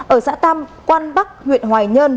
ở xã tam quan bắc huyện hoài nhơn